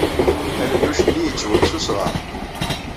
Alelluc-nni yettweg s usɣar.